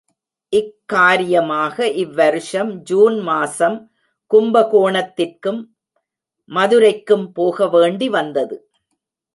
இக் காரியமாக இவ்வருஷம் ஜூன் மாசம் கும்பகோணத்திற்கும் மதுரைக்கும் போக வேண்டி வந்தது.